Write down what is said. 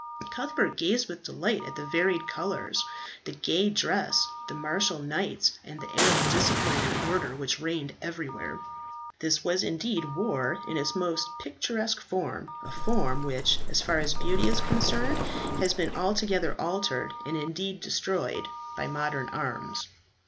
Cuthbert gazed with delight at the varied colours, the gay dresses, the martial knights, and the air of discipline and order which reigned everywhere. This was indeed war in its most picturesque form, a form which, as far as beauty is concerned, has been altogether altered, and indeed destroyed, by modern arms.